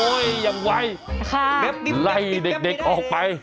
โอ้โฮยังไวไล่เด็กออกไป